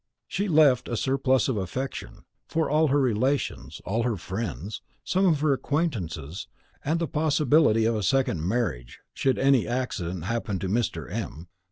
She left a surplus of affection, for all her relations, all her friends, some of her acquaintances, and the possibility of a second marriage, should any accident happen to Mr. M.